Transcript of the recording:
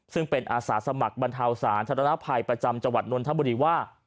ซึ่งเป็นอาศาสมัครบรรทาวศาลธนภัยประจำจวัตรนทบุรีว่า